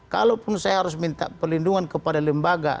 kalaupun saya harus minta perlindungan kepada lembaga